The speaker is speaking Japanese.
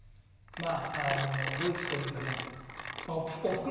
まあルーツというかね。